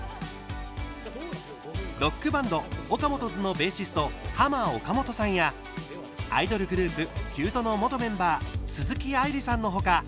ロックバンドオカモトズのベーシストハマ・オカモトさんやアイドルグループ℃‐ｕｔｅの元メンバー鈴木愛理さんの他